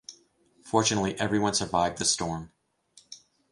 Fortunately, everyone survived the storm.